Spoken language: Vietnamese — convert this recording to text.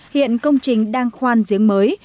hiện công trình đang khoan diễn mới